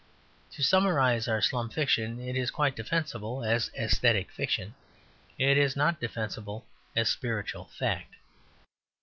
To summarize, our slum fiction is quite defensible as aesthetic fiction; it is not defensible as spiritual fact.